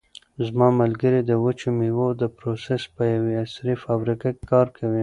زما ملګری د وچو مېوو د پروسس په یوه عصري فابریکه کې کار کوي.